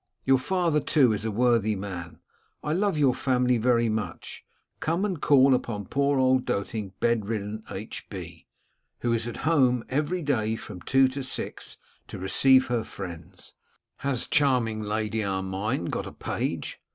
Your father, too, is a worthy man. I love your family very much. Come and call upon poor old doting bedridden H. B., who is at home every day from two to six to receive her friends. Has charming Lady Armine got a page?